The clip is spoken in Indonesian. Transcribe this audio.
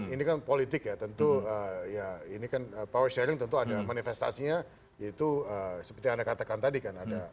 ini kan politik ya tentu ya ini kan power sharing tentu ada manifestasinya yaitu seperti yang anda katakan tadi kan